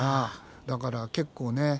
だから結構ね植物